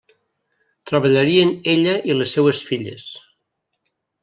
Treballarien ella i les seues filles.